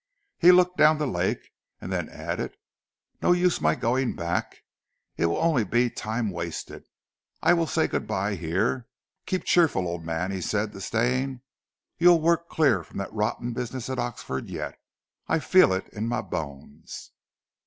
He looked down the lake, and then added: "No use my going back. It will only be time wasted. I will say good bye here. Keep cheerful, old man," he said to Stane. "You'll work clear of that rotten business at Oxford yet. I feel it in my bones."